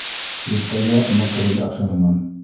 Иртәгә макрель ашармын.